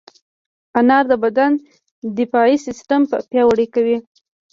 انار د بدن دفاعي سیستم پیاوړی کوي.